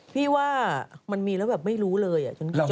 พี่ว่ามันมีแล้วแบบไม่รู้เลย